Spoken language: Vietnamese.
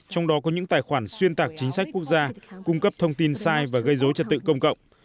trong đó có những tài khoản xuyên tạc chính sách quốc gia cung cấp thông tin sai và gây dối trật tự công cộng